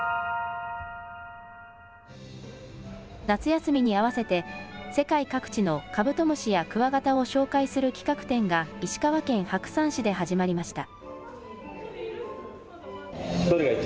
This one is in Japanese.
夏休みに合わせて世界各地のカブトムシやクワガタを紹介する企画展が石川県白山市で始まりました。